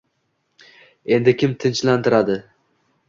Endi kim tinchlantiradi